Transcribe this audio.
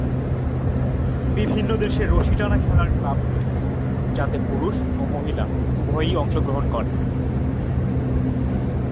বিভিন্ন দেশে রশি টানা খেলার ক্লাব রয়েছে যাতে পুরুষ ও মহিলা উভয়েই অংশগ্রহণ করে।